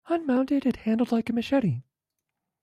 Unmounted, it handled like a machete.